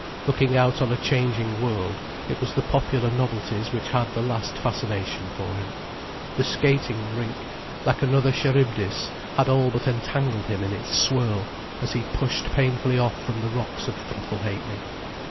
Looking out on a changing world, it was the popular novelties which had the last fascination for him. The Skating Rink, like another Charybdis, had all but entangled him in its swirl as he pushed painfully off from the rocks of Throttle Ha'penny.